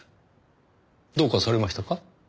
どうかされましたか？